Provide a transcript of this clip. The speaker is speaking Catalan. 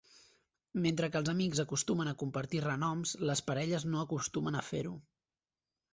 Mentre que els amics acostumen a compartir renoms, les parelles no acostumen a fer-ho.